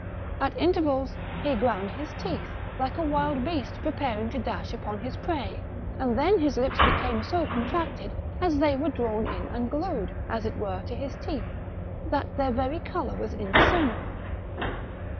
At intervals he ground his teeth like a wild beast preparing to dash upon his prey, and then his lips became so contracted, as they were drawn in and glued, as it were, to his teeth, that their very colour was indiscernible.